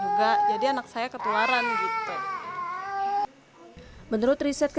pneumonia adalah infeksi saluran pernafasan yang menyerang paru paru